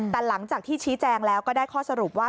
แต่หลังจากที่ชี้แจงแล้วก็ได้ข้อสรุปว่า